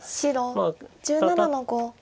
白１７の五。